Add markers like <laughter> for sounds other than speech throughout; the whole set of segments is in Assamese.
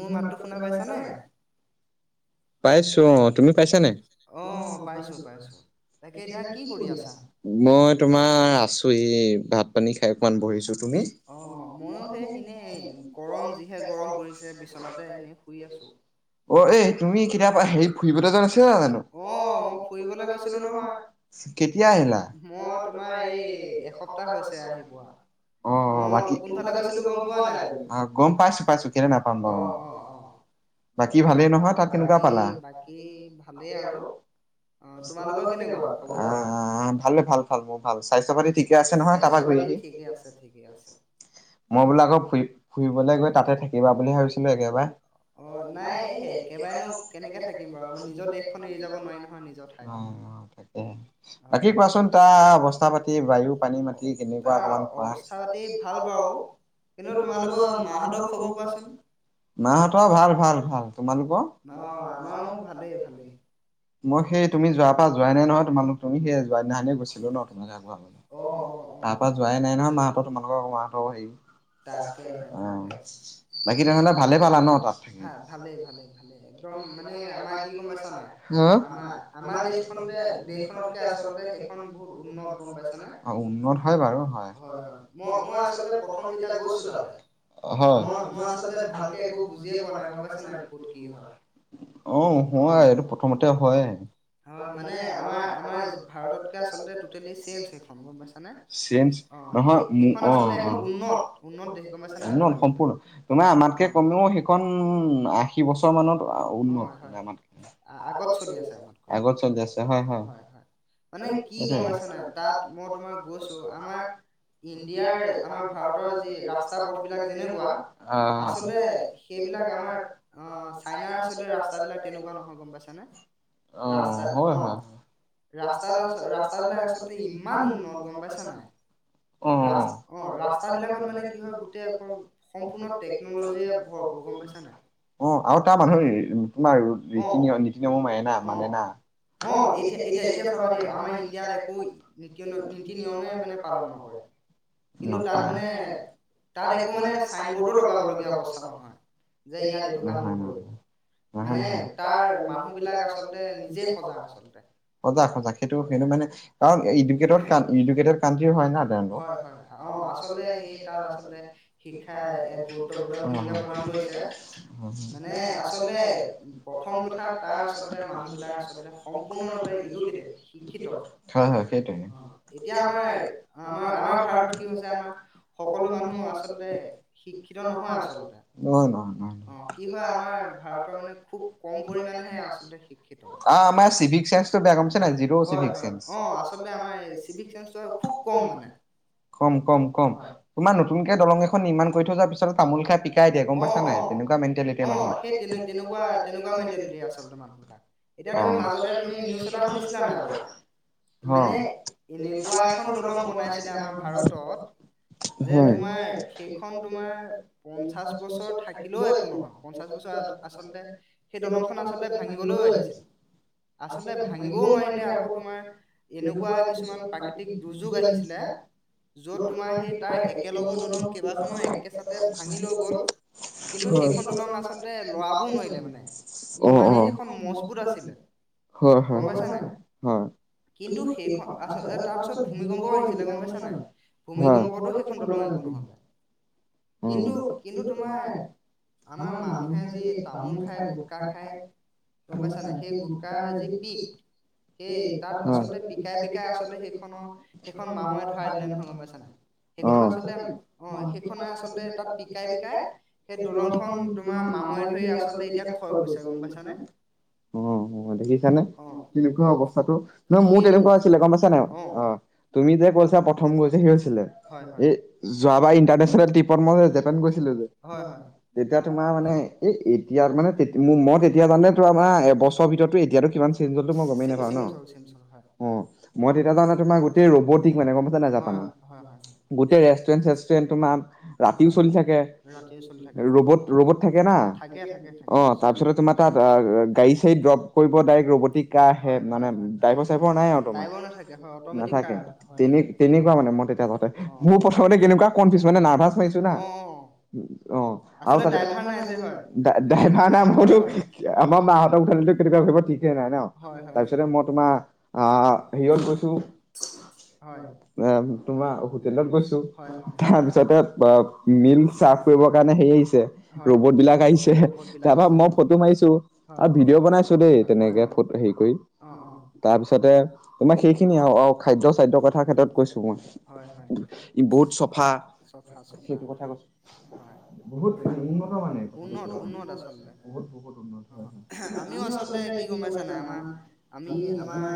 মোৰ মাতটো শুনা পাইছানে পাইছো অ তুমি পাইছা নাই অ পাইছোঁ পাইছোঁ এতিয়া তাত কি কৰি আছা মই তোমাৰ আছোহি ভাত পানী খাই অকমান বহিছো তুমি অ মও সে এনে গৰম যিহে গৰম দিছে বিচনাতে আহি পৰি আছো অ এই ফুৰিবলে যোৱা নাছিলি যানো অহ মই ফুৰিবলৈ গৈছিলো নহয় কেতিয়া আহিলা মই তোমাৰ এই এসপ্তাহ হৈছে আহি পোৱা মই কোনফালে গৈছিলো গম পোৱা নাই তুমি গম পাইছো পাইছো অহ অ অহ তাকে বাকী বাকী ভালেই আৰু অ তোমালোকৰ কেনেকুৱা খবৰ অ ভালে ভালে স্বাস্থ্য বালি ঠিকে আছে ঠিকে আছে। মই বোলো আক ফুই ফুৰিবলে গৈ তাতে থাকিবা বুলি ভাবিছিলো একেবাৰে। অ নাই এ একে কেবাৰেনো কেনেকে থাকিম বাও নিজৰ দেশখন এৰি যাব নোৱাৰি নহয় নিজ নোৱাই নোৱাই তাকেহে বাকী কোৱাচোন তাৰ অৱস্থা পাতি বায়ু পানী মাটি কেনেকুৱা অকমান খোৱাজ <unintelligible> এনো তোমালোকৰ মাঁহতৰ খবৰ কোৱাচোন? মাহঁতৰ ভাল ভাল ভাল। তোমালোকৰ? নহ আমাৰো ভালে ভালে। মই সেই তুমি যোৱাৰ পা যোৱাই নাই নহয় তোমালোক তুমিহে যোৱা দিনাখনি গৈছিলো ন <unintelligible> অ হ তা পা যোৱাই নাই নহয় মাহঁতৰ তোমালোকৰ <unintelligible> হেৰি <unintelligible> অ বাকী তেনেহ'লে ভালে পালা ন তাত থাকি? ভালে এন দম মানে আমাৰ কি গম পাইছা নাই আমা আমাৰ দেশখনতে দেশখনতকে আচলতে সেইখ খন বহুত উন্নত গম পাইছা নে, হয় হয় ম মই আচলতে প্ৰথম যেতিয়া গৈছো তালে মই মই আচলতে ভালকে একো বুজিয়ে পোৱা নাই গম পাইছা নাই, ক'ত কি হয়। অহ হোৱাই এইটো প্ৰথমতে হয়। হয় মানে আমাৰ আমাৰ ভাৰতকে আচলতে টোটেলি চেঞ্জ সেইখন গম পাইছানে। অ সেই সেইখন আচলতে এখন উন্নত উন্নত দেশ গম পাইছা নাই ভাৰতকে অ <unintelligible> হয় হয় আগত চলি আছে আমাতকৈ, হয় হয়। মানে কি গম পাইছানে তাত মই তোমাক গৈছো আমাৰ ইণ্ডিয়াৰ আমাৰ ভাৰতৰ যি ৰাস্তা পথবিলাক যেনেকুৱা আচলতে সেইবিলাক আমাৰ অ চাইনাৰ আচলতে ৰাস্তাবিলাক তেনেকুৱা নহয় গম পাইছানে? ৰাস্তা অ ৰাস্তা ৰাস্তাবিলাক আচলতে ইমান উন্নত গম পাইছা নাই ৰা অ ৰাস্তা বিলাকত মানে কি হয় গোটেই অকল সম্পূৰ্ণ টেকনলজিয়ে ভৰ পোৰ গম পাইছা নাই। <unintelligible> অহ অহ অ এতিয়া এতিয়া এতিয়া চাবা দেই আমাৰ ইণ্ডিয়াৰ একো নীতি নীতি নিয়মে মানে পালন নকৰে। কিন্তু তাত মানে তাত একো মানে চাইনবৰ্ডো লগাবলগীয়া অৱস্থা নহয় যে ইয়াত এইটো কাম নকৰিব। মানে তাৰ মানুহবিলাক আচলতে নিজে সজাগ আচলতে। সজাগ সজাগ সেইটো সেইটো মানে কাৰণ ইডুকেটেট কাট ইডুকেটেট কাউন্ট্ৰী হয় না তেওঁলোক। হয় হয়। অ আচলতে সেই তাত আচলতে শিক্ষাই এক গুৰুত্বপূৰ্ণ ভূমিকা প্ৰদান কৰিছে। মানে আচলতে প্ৰথম কথা তাৰ আচলতে মানুহবিলাক আচলত সম্পূৰ্ণৰুপে <unintelligible> হয় হয় সেইটোয়ে। এতিয়া আমাৰ আমা আমাৰ ভাৰতত কি হৈছে আমাৰ সকলো মানুহ আচলতে শিক্ষিত নহয় আচলতে, অ কি হয় আমাৰ ভাৰতৰ মানে খুব কম পৰিমানেহে আচলতে শিক্ষিত। <unintelligible> হয় হয় অ আচলতে আমাৰ এই চিবিক চেন্সটো খুব কম মানে। কম কম কম তোমাৰ নতুনকে দলং এখন নিৰ্মাণ কৰি থৈ যোৱাৰ পিছ তামোল খাই পিকাই দিয়ে গম পাইছা নাই তেনেক কুৱা মেন্টেলিতি মানুহ <unintelligible> <unintelligible> মানে এনেকুৱা এখন দলং বনাইছিলে আমাৰ ভাৰত ত যে তোমাৰ সেইখন তোমাৰ পঞ্চাশ বছৰ থাকি একো নহয় পঞ্চাশ বছৰ আচলতে সেই দলংখন আচলতে ভাঙিবলৈও আহিছিল। আচলতে ভাঙিবও নোৱাৰিলে, আকৌ তোমাৰ এনেকুৱা কিছুমান প্ৰাকৃতিক দুৰ্যোগ আহিছিলে। য'ত তোমাৰ সেই তাৰ একেলগৰ দলং কেইবাখনো একেচাতে ভাঙি লৈ গ'ল। হয় অ' অ' মজবুত হয়, হয়, হয়। এইটো সেইখন আ তাৰ পিছত ভূমিকম্প হৈছিলে গম পাইছা নে নাই। কিন্তু কিন্তু তোমাৰ আমাৰ মানুহে যে তামোল খায় গোটখা খায়। গম পাইছা নে নাই সেই গুটখা হৈছে কি। সেই তাৰ আচলতে পিকাই পিকাই আচলতে সেইখন সেইখন মাময় খোৱাই দিলে। আচলতে সেইখন আচলতে তাত পিকাই পিকাই, এই দলংখন তোমাৰ মামই ধৰি আচলতে এতিয়া খয় গৈছে গম পাইছানে। উ দেখিছানে তেনেকুৱা অৱস্থাতো নহয় মোৰ তেনেকুৱা আছিলে গম পাইছা নাই অ'। তুমি যে কৈছা প্ৰথম গৈ যে সেই হৈছিলে এই যোৱাবাৰ ইণ্টাৰনেচনেল ট্ৰিপত মই জোপান গৈছিলো যে তেতিয়া তোমাৰ মানে এ এতিয়া মানে মই তেতিয়া যাওঁতে ত' আমাৰ এবছৰৰ ভিতৰতো এতিয়া চেনজ চেনজ হ'ল হয়। হয়, হয়, হয়। ৰাতিও চলি থাকে হয়। থাকে থাকে থাকে। হয় হয় হয় হয় ড্ৰাইভাৰ নাথাকে হয় অট'মেটিক কাৰ হয় এইবিলাক। আহ আহ আহ অ'অ' অ' আৰু তাতেই ড্ৰাইভাৰ এটা <unintelligible> আমাৰ মাহতক উঠালেটো কেনেকে উঠিব ঠিক চিতে নাই ন' তাৰপিছতে মই তোমাৰ আহ হেয়ত গৈছো। <inaudible> হয় এ তোমাৰ হোটেলত গৈছো তাৰপিছতে মিল চাফ কৰিবৰ কাৰণে হেৰি আহিছে ৰ'বত বিলাক আহিছে তাৰ পৰা মই ফটো মাৰিছো। আৰু ভিডিঅ' বনাইছো দেই তেনেকে ফ হেৰি কৰি তাৰপিছতে তোমাৰ সেইখিনি আৰু খাদ্য চাদ্য কথাৰ ক্ষেত্ৰত কৈছো মই বহুত চফা সেইটো কথা কৈছো বহুত এ উন্নত মানে কথাটো কোৱা বহুত বহুত উন্নত আমি আচলতে কি গ'ম পাইছানে নাই আমাৰ আমি আমাৰ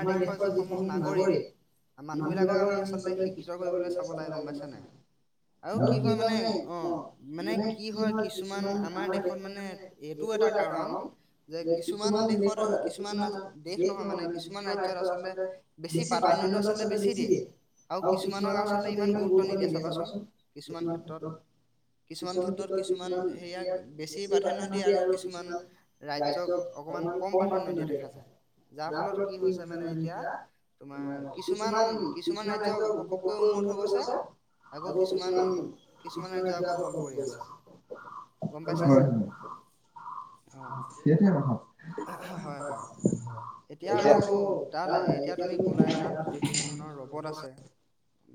আমাৰ দেশৰ যিসমূহ নাগৰিক মানুহ বিলাকৰ আমি আচলতে শিক্ষা এই বিলাক চাব লাগিব গ'ম পাইছে নে নাই। আৰু মানে অ' মানে কি হয় কিছুমান আমাৰ দেশত মানে এইটো এটা কাৰণ যে কিছুমান দেশৰ কিছুমান দেশ নহয় মানে কিছুমান ৰাজ্যত আচলতে বেছি প্ৰাধান্য <unintelligible> বেছি দিয়ে আৰু কিছুমানৰ আচলতে ইমান গুৰুত্ব নিদিয়ে চাবাচোন কিছুমান কিছুমান ক্ষেত্ৰত কিছুমান বেছি প্ৰাধান্য দিয়ে আৰু কিছুমান ৰাজ্যত অকমান কম প্ৰাধান্য দিয়ে। যাৰ ফলত কি হৈছে মানে এতিয়া তোমাৰ কিছুমান কিছুমান ৰাজ্যত ক <unintelligible> উন্নত হৈছে আকৌ কিছুমান কিছুমান ৰাজ্য আকৌ তল পৰি আছে গ'ম পাইছা নাই। অ' হয়, হয়। এতিয়া আকৌ তাত এতিয়া তুমি কলাই তাত বিভিন্ন ধৰণৰ ৰবত আছে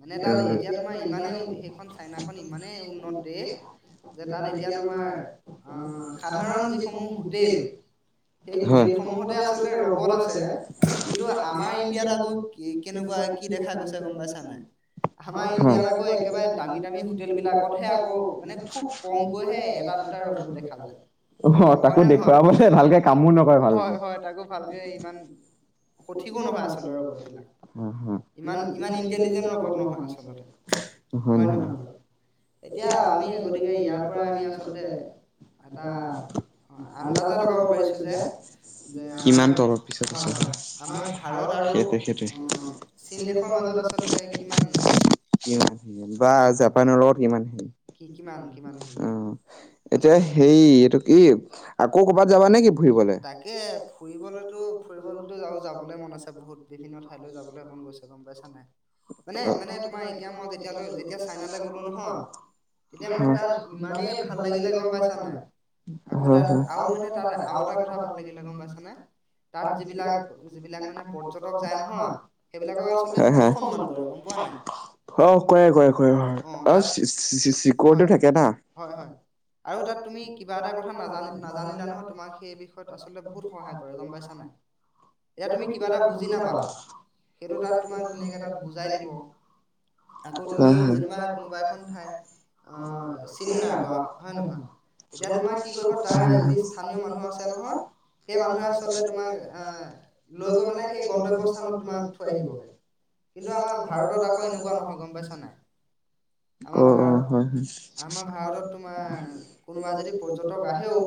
মানে তাত এতিয়া তোমাৰ ইমানেই সেইখন চাইনাখন ইমানেই উন্নত দেশ। যে, তাত এতিয়া তোমাৰ আহ, সাধাৰণ যিসমূহ হোটেল সেই হোটেলসমূহতে আচলতে ৰ'বত আছে, কিন্তু আমাৰ ইণ্ডিয়াত আকৌ কেনেকুৱা, কি দেখা গৈছে গম পাইছা নাই! আমাৰ ইণ্ডিয়াত আকৌ একেবাৰে দামী-দামী হোটেল বিলাকতহে আকৌ, মানে খুব কমকৈহে এটা-দুটা ৰ'বত দেখা যায়। হয় নে নহয় বাৰু! হয়, হয়, তাকো ভালকে ইমান সঠিকো নহয়, আচলতে ৰ'বত বিলাক। হয়, হয়, ইমান ইন্টেলিজেন্ট ৰ'বত নহয় আচলতে। হয়। এতিয়া, আমি গতিকে, ইয়াৰ পৰা আমি আচলতে এটা আন্দাজা লগাব পাৰিচো যে সেইটোৱে, সেইটোৱে। <unintelligible> অ, এতিয়া সেই এইটো কি আকৌ ক'ৰবাত যাবা নেকি তুমি? তাকে, ফুৰিবলেতো ফুৰিবলেতো যাবলে মন আছে, বহুত বিভিন্ন যাবলৈ মন গৈছে গম পাইছা নাই, মানে, মানে তোমাৰ এতিয়া মই যেতিয়ালৈ যেতিয়া চাইনালে গ'লো নহয়, তেতিয়া মানে তাত ইমানেই ভাল লাগিলে গম পাইছা নাই! হয়, হয়। তাত যিবিলাক, যিবিলাক মানে পৰ্যটক যায় নহয় <unintelligible> হয়, হয়, হয়, আৰু তাত তুমি কিবা এটা কথা নাজান নাজানিলে নহয়, তোমাক সেই বিষয়ত আচলতে বহুত সহায় কৰে, গম পাইছা নাই। এতিয়া তুমি কিবা এটা বুজি নাপালা, সেইটো তাত তোমাক ধুনীয়াকে তাত বুজাই দিব। আকৌ তুমি যেনিবা কোনোবা এখন ঠাই অ, চিনি নাই পোৱা, হয় নহয়! তেতিয়া তোমাৰ কি কৰিব, তাৰ যি স্থানীয় মানুহ আছে নহয় সেই মানুহে আচলতে তোমাক আহ, লৈ গৈ মেলে সেই গন্তব্য স্থানত তোমাক থৈ আহিবগে। কিন্তু আমাৰ ভাৰতত আকৌ এনেকুৱা নহয় গম পাইছা নাই! আমাৰ ভাৰত, আমাৰ ভাৰতত তোমাৰ কোনোবা যদি পৰ্যতক টক আহেও,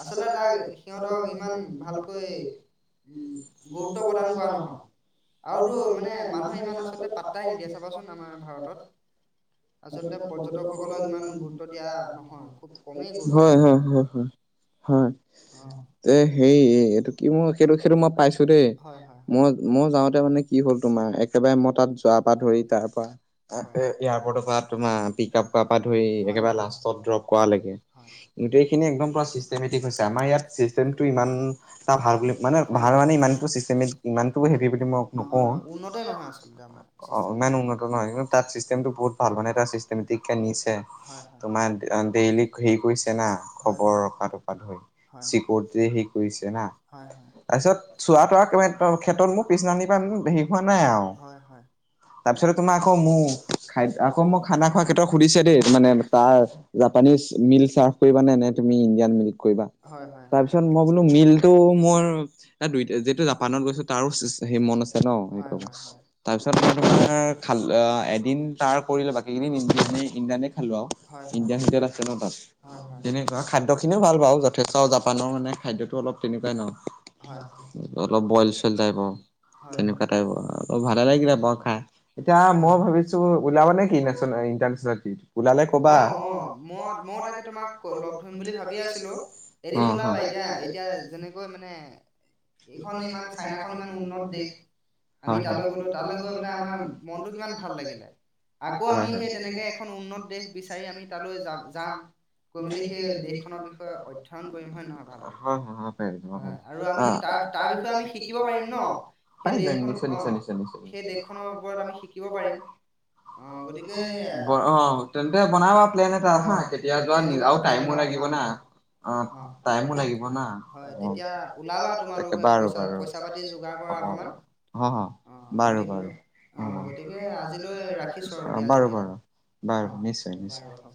আচলতে তাক সিহঁতক ইমান ভালকৈ উম, গুৰুত্ব প্ৰদান কৰা নহয়। আৰুতো মানে, মানুহে ইমান আচলতে পাত্তাই নিদিয়ে, চাবাচোন আমাৰ ভাৰতত। হয়, হয়। হয়, হয়। হয়, এ, হেৰি এইটো কি মই, সেইটো, সেইটো মই পাইছো দেই! মই মই যাওঁতে মানে কি হ'ল তোমাৰ, একেবাৰে মই তাত যোৱাৰ পৰা ধৰি, তাৰ পৰা এয়াৰপৰ্টৰ পৰা তোমাৰ পিক-আপ কৰা পৰা ধৰি, একেবাৰে লাষ্টত ড্ৰপ কৰা লেকে। খিনি একদম পোৰা চিষ্টেমেটিক হৈছে, আমাৰ ইয়াত চিষ্টেমটো ইমান এটা ভাল বুলি, মানে ভাল মানে ইমান <unintelligible> ইমানটো হেভি বুলি মই নকওঁ, অ, ইমান উন্নত <unintelligible> তাত চিষ্টেমটো বহুত ভাল, মানে এটা চিষ্টেমেটিক কে নিছে তোমাৰ ডেইলি হেৰি কৰিছে না! খবৰ ৰখাটো পা ধৰি, চিকৰ্তি হেৰি কৰিছে না! তাৰপিছত চোৱা-তোৱা ক্ষেত্ৰত মোৰ পিছদিনা খনিৰ পৰা মোৰ হেৰি হোৱা নাই আৰু। তাৰপিছতে তোমাৰ আকৌ <unintelligible> আকৌ মই খানা খোৱা কেইটক সুধি ছে দেই, মানে তাৰ জাপানিজ মিল চাৰ্ভ কৰিবা নে, নে তুমি ইণ্ডিয়ান মিল্ কৰিবা তাৰপিছত মই বোলো মিলটো মোৰ দুই যিহেতু জাপানত গৈছো তাৰো সেই মন আছে ন' সেইটো তাৰপিছত মানে তোমাৰ খাল এদিন তাৰ কৰিলে বাকীখিনি ইণ্ডিয়ানে হয়, হয়, হয়, হয়। খাদ্য খিনিও ভাল বাৰু যথেষ্ট জাপানৰ মানে খাদ্যতো অলপ তেনেকুৱাই ন'। অলপ বইল-চইল টাইপৰ। তেনেকুৱা টাইপৰ, অ', ভালেই লাগিলে বাৰু খাই, এতিয়া মই ভাবিছো, ওলাব নে কি <unintelligible> অ', অ', মই-মইও তাকে তোমাক ল'গ ধৰিম বুলি ভাবিয়ে আছিলো। এদিন ওলাবা এতিয়া-এতিয়া যেনেকৈ মানে এইখন ইমান, চাইনাখন ইমান উন্নত দেশ। আমি তালৈ গলো, তালৈ গৈ পেলাই আমাৰ মনটো কিমান ভাল লাগিলে। আকৌ আমি সেই তেনেকে এখ এখন উন্নত দেশ বিচাৰি আমি তালৈ যাম-যাম, গৈ মেলি সেই দেশখনৰ বিষয়ে অধ্যয়ন কৰিম হয় নহয় ভালকৈ? হয়, আৰু আমি তাত তাৰ বিষয়ে আমি শিকিব পাৰিম ন'? সেই দেশখন অ', সেই দেশখনৰ ওপৰত আমি শিকিব পাৰিম। অ', তেন্তে বনাবা প্লেন এটা হা, কেতিয়া যোৱা নি তাইমো লাগিব না। অ' টাইমো লাগিব না, অ', তাকে বাৰু বাৰু। অ', বাৰু বাৰু, অ', অ', বাৰু বাৰু। বাৰু নিশ্চয়, নিশ্চয়।